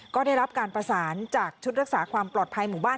ก็ได้รับการประสานจากชุดรักษาความปลอดภัยหมู่บ้าน